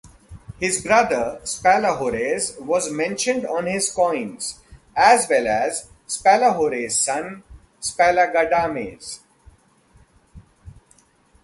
His brother, Spalahores, was mentioned on his coins, as well as Spalahores' son Spalagadames.